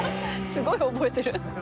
すごい覚えてる。